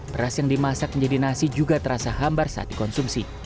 beras yang dimasak menjadi nasi juga terasa hambar saat dikonsumsi